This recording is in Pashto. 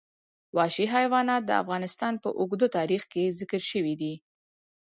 وحشي حیوانات د افغانستان په اوږده تاریخ کې ذکر شوی دی.